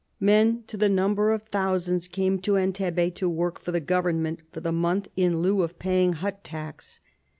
"Men, to the number of thousands, come to Entebbe to work for Government for one month in lieu of paying hut tax.